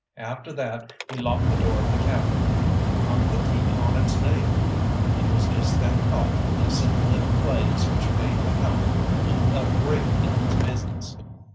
After that he locked the door of the cabin, and hung the key on its nail. It was just that thoughtfulness in little plays which made McCalmont loom up great in his business.